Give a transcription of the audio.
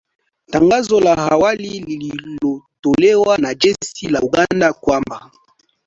tangazo la awali lililotolewa na jeshi la Uganda kwamba